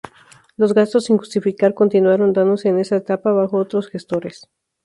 Los gastos sin justificar continuaron dándose en esa etapa bajo otros gestores.